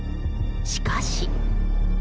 しかし。